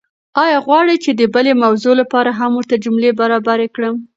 ایا غواړئ چې د بلې موضوع لپاره هم ورته جملې برابرې کړم؟